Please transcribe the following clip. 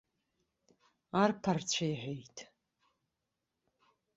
Арԥарцәа иҳәеит.